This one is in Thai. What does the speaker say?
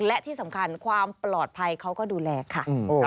และที่สำคัญความปลอดภัยเขาก็ดูแลค่ะ